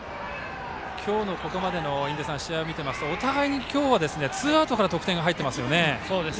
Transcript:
今日のここまでの試合を見ていますとお互いに今日はツーアウトから得点が入っていますね。